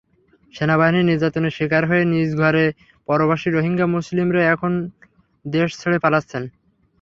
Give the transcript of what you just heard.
সেনাবাহিনীর নির্যাতনের শিকার হয়ে নিজ ঘরে পরবাসী রোহিঙ্গা মুসলিমরা এখন দেশ ছেড়ে পালাচ্ছেন।